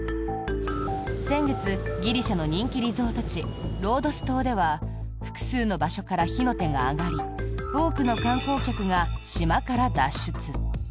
先月、ギリシャの人気リゾート地ロードス島では複数の場所から火の手が上がり多くの観光客が島から脱出。